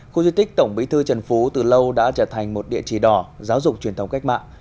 khu di tích tổng bí thư trần phú từ lâu đã trở thành một địa chỉ đỏ giáo dục truyền thống cách mạng